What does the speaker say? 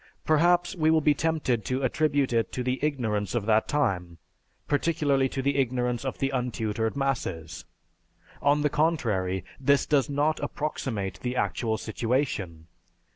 Perhaps we will be tempted to attribute it to the ignorance of that time, particularly to the ignorance of the untutored masses. On the contrary, this does not approximate the actual situation.